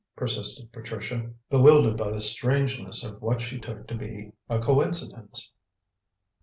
persisted Patricia, bewildered by the strangeness of what she took to be a coincidence.